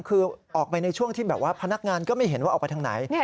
คือออกไปในช่วงที่แบบว่าพนักงานก็ไม่เห็นว่าออกไปทางไหน